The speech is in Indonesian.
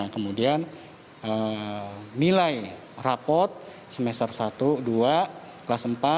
kemudian nilai rapot semester satu dua kelas empat